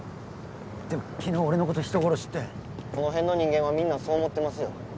でも昨日俺のこと人殺しってこの辺の人間はみんなそう思ってますよ